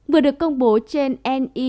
vừa được công bố trên ni